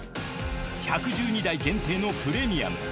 １１２台限定のプレミアム。